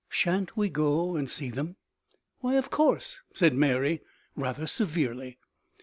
Sha'n't we go and see them?" "Why, of course," said Mary rather severely.